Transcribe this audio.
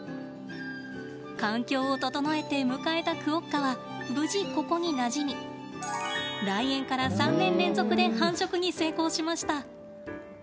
環境を整えて迎えたクオッカは無事ここになじみ来園から３年連続で繁殖に成功しました！